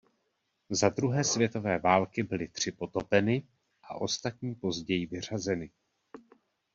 Za druhé světové války byly tři potopeny a ostatní později vyřazeny.